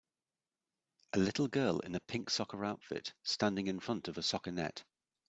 A little girl in a pink soccer outfit standing in front of a soccer net